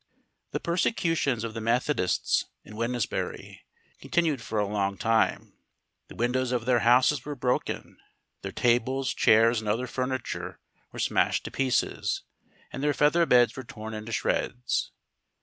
The persecutions of the Methodists in Wednesbury continued for a long time. The windows of their houses were broken, their tables, chairs, and other furniture were smashed to pieces, and their feather beds were torn into shreds.